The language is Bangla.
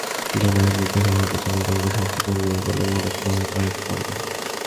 জুনায়েদ নিখোঁজ হওয়ার পেছনে জঙ্গি-সংশ্লিষ্টতা নেই বলে মনে করে তাঁর পরিবার।